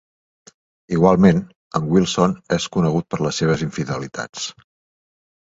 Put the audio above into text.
Igualment, en Wilson és conegut per les seves infidelitats.